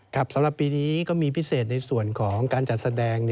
สำหรับปีนี้ก็มีพิเศษในส่วนของการจัดแสดง